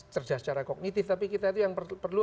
cerdas secara kognitif tapi kita itu yang perlu